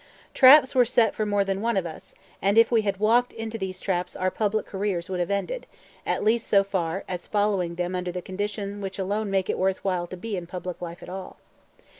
Traps were set for more than one of us, and if we had walked into these traps our public careers would have ended, at least so far as following them under the conditions which alone make it worth while to be in public life at all.